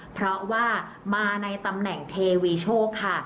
เพราะว่ามาในตำแหน่งเทวีโชคค่ะ